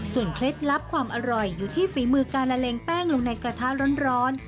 เคล็ดลับความอร่อยอยู่ที่ฝีมือการละเลงแป้งลงในกระทะร้อน